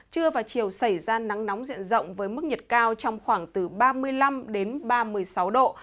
trưa và chiều xảy ra nắng nóng diện rộng với mức nhiệt cao trong khoảng từ ba mươi năm đến ba mươi sáu độ